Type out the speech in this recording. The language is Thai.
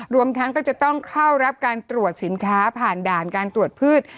รวมทั้งก็จะต้องเข้ารับการตรวจสินค้าผ่านด่านการตรวจพืช